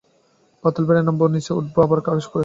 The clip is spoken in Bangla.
পাতাল ফেড়ে নামব নিচে, উঠব আবার আকাশ ফুঁড়ে।